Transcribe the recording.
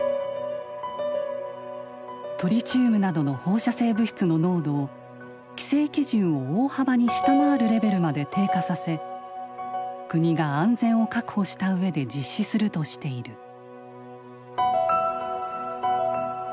トリチウムなどの放射性物質の濃度を規制基準を大幅に下回るレベルまで低下させ国が安全を確保した上で実施するとしている。